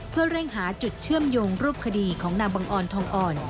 เพื่อเร่งหาจุดเชื่อมโยงรูปคดีของนางบังออนทองอ่อน